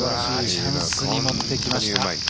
チャンスに持ってきました。